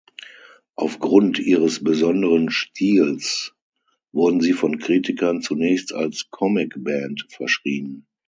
Auf Grund ihres besonderen Stils, wurden sie von Kritikern zunächst als "comic band" verschrien.